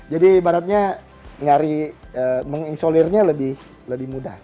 jadi baratnya mengisolirnya lebih mudah